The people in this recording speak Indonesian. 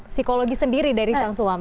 psikologi sendiri dari sang suami